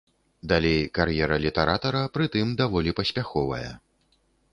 Далей кар'ера літаратара, прытым даволі паспяховая.